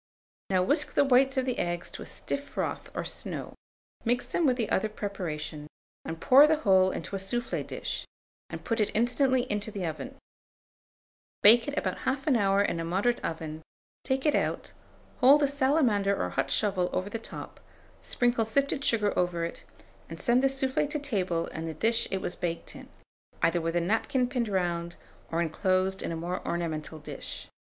Now whisk the whites of the eggs to a stiff froth or snow; mix them with the other preparation, and pour the whole into a soufflé dish, and put it instantly into the oven; bake it about 1/2 hour in a moderate oven; take it out, hold a salamander or hot shovel over the top, sprinkle sifted sugar over it, and send the soufflé to table in the dish it was baked in, either with a napkin pinned round, or inclosed in a more ornamental dish.